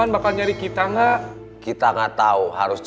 gak ada yang kabur